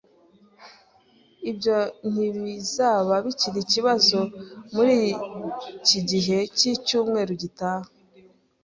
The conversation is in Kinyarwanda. Ibyo ntibizaba bikiri ikibazo muri iki gihe cyicyumweru gitaha.